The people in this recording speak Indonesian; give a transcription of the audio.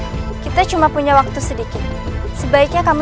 aku tau siapa yang masalah ayahku